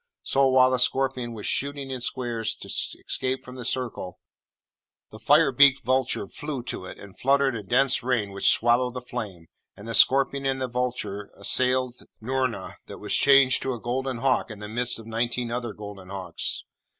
So, while the scorpion was shooting in squares to escape from the circle, the fire beaked vulture flew to it, and fluttered a dense rain which swallowed the flame, and the scorpion and vulture assailed Noorna, that was changed to a golden hawk in the midst of nineteen other golden hawks.